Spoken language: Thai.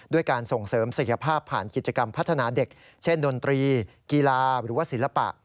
การส่งเสริมศักยภาพผ่านกิจกรรมพัฒนาเด็กเช่นดนตรีกีฬาหรือว่าศิลปะ